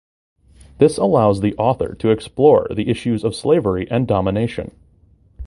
This allows the author to explore the issues of slavery and domination.